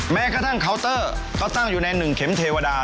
แม้กระทั่งเคาน์เตอร์เขาตั้งอยู่ใน๑เข็มเทวดา